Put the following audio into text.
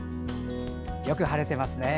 よく晴れてますね。